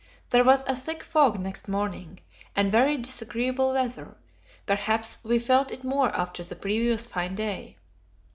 There was a thick fog next morning, and very disagreeable weather; perhaps we felt it more after the previous fine day.